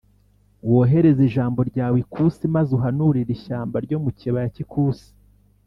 wohereze ijambo ryawe ikusi, maze uhanurire ishyamba ryo mu kibaya cy’ikusi